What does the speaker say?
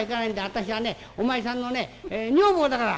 私はねお前さんのね女房だから」。